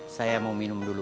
saya mau minum dulu